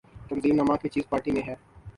تنظیم نام کی چیز پارٹی میں ہے۔